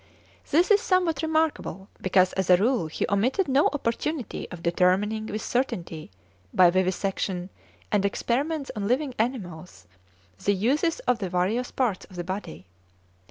This is somewhat remarkable, because as a rule he omitted no opportunity of determining with certainty, by vivisection and experiments on living animals, the uses of the various parts of the body.